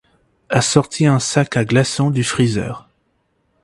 a sorti un sac à glaçons du freezer.